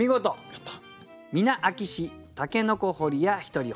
やった！